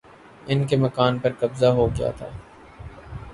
ان کے مکان پر قبضہ ہو گیا تھا